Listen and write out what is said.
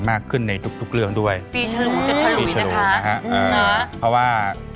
แม่บ้านประจันบัน